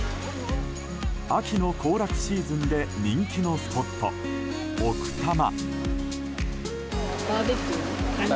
秋の行楽シーズンで人気のスポット、奥多摩。